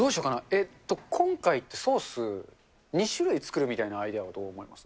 えっと、今回ってソース、２種類作るみたいなアイデア、どう思います？